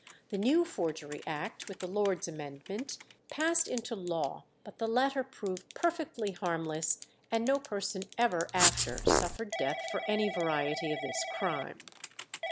The new Forgery Act with the Lords' amendment passed into law, but the latter proved perfectly harmless, and no person ever after suffered death for any variety of this crime.